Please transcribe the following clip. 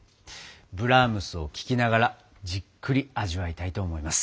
ブラームスを聴きながらじっくり味わいたいと思います。